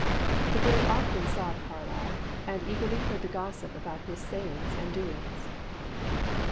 The boy often saw Carlyle, and eagerly heard the gossip about his sayings and doings.